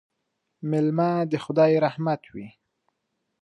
مېلمه د خدای رحمت وي